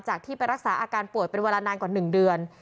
ที่ไปรักษาอาการป่วยเป็นเวลานานกว่า๑เดือน